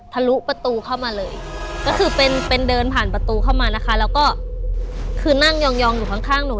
ทะลุประตูเข้ามาเลยก็คือเป็นเป็นเดินผ่านประตูเข้ามานะคะแล้วก็คือนั่งยองอยู่ข้างข้างหนู